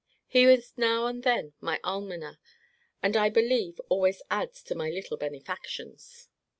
He is now and then my almoner, and, I believe, always adds to my little benefactions.